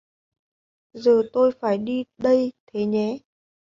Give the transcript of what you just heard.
Giờ tôi phải đi đây Thế nhé